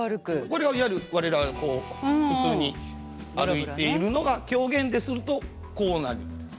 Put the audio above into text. これはいわゆる我らがこう普通に歩いているのが狂言でするとこうなるんです。